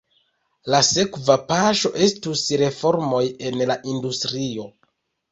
La sekva paŝo estus reformoj en la industrio.